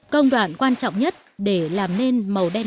công đoạn quan trọng nhất để làm nên màu đen